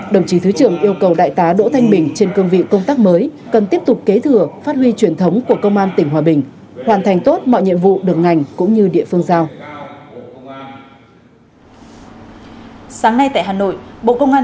đồng chí thứ trưởng yêu cầu đại tá đỗ thanh bình trên cương vị công tác mới cần tiếp tục kế thừa phát huy truyền thống của công an tỉnh hòa bình hoàn thành tốt mọi nhiệm vụ được ngành cũng như địa phương giao